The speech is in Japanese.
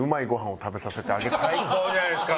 最高じゃないですか！